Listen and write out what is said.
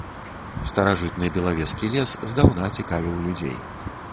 Старажытны белавежскі лес здаўна цікавіў людзей.